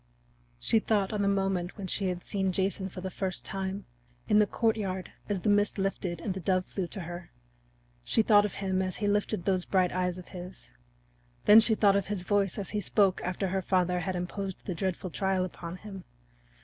She thought on the moment when she had seen Jason for the first time in the courtyard as the mist lifted and the dove flew to her; she thought of him as he lifted those bright eyes of his; then she thought of his voice as he spoke after her father had imposed the dreadful trial upon him.